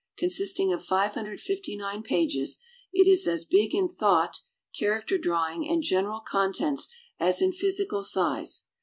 Consisting of 559 pages, it is as big in thought, character drawing, and general con tents as in physical size.